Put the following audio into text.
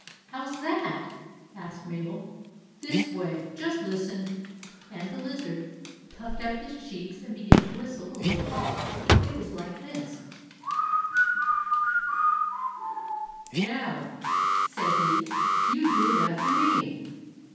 " How 's that ?" asked Mabel. "This way; just listen," and the lizard puffed out his cheeks and began to whistle a little call It was like this :—£( i i, 1 J 1 i^B " Now," said he, " you do it after me."